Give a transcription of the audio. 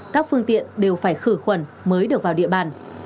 các phương tiện đều phải khử khuẩn mới được vào địa bàn